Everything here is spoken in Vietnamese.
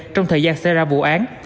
trong thời gian xảy ra vụ án